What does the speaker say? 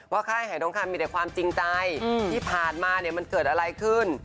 ค่ายหายทองคำมีแต่ความจริงใจที่ผ่านมาเนี่ยมันเกิดอะไรขึ้น